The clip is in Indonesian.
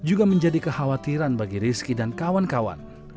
adalah kekhawatiran bagi rizky dan kawan kawan